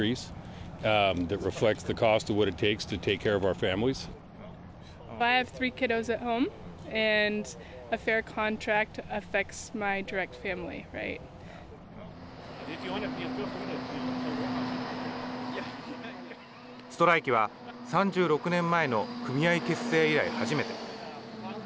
ストライキは３６年前の組合結成以来、初めて。